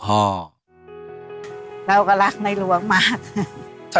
แล้วเราก็พยายามทำดีที่สุดแล้วก็ตอนลูกตอนหลานให้ทำดีที่สุดค่ะ